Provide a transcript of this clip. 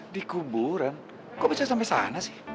di kuburan kok bisa sampai sana sih